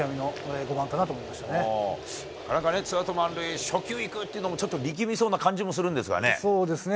なかなかね、ツーアウト満塁、初球いくっていうのもちょっと力みそうな感じもするんですけどね。